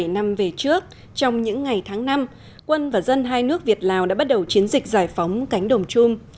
bảy mươi năm về trước trong những ngày tháng năm quân và dân hai nước việt lào đã bắt đầu chiến dịch giải phóng cánh đồng chung